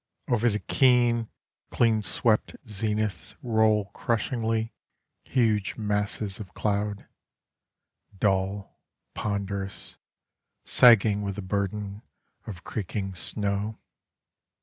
Over the keen, clean swept zenith Roll crushingly, huge masses of cloud: Dull, ponderous, sagging with the burden Of creaking snow.